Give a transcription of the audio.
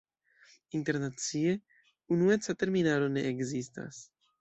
Internacie unueca terminaro ne ekzistas.